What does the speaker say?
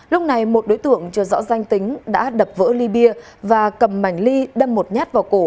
lúc này một đối tượng chưa rõ danh tính đã đập vỡ ly bia và cầm mảnh ly đâm một nhát vào cổ